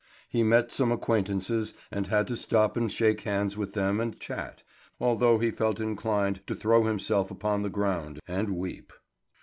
He met some acquaintances, and had to stop and shake hands with them and chat, although he felt inclined to throw himself upon the ground and weep.